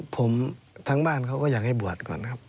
ผมทั้งบ้านเขาก็อยากให้บวชก่อนครับ